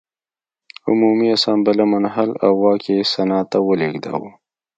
عمومي اسامبله منحل او واک یې سنا ته ولېږداوه.